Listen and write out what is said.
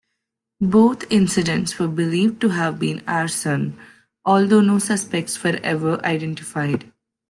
Both incidents were believed to have been arson, although no suspects were ever identified.